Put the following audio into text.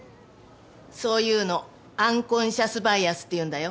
そういうのアンコンシャス・バイアスっていうんだよ。